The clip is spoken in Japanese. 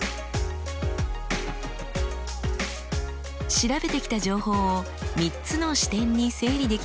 調べてきた情報を３つの視点に整理できました。